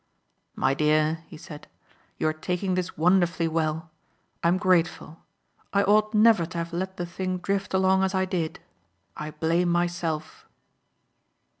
"My dear," he said, "you are taking this wonderfully well. I'm grateful. I ought never to have let the thing drift along as I did. I blame myself."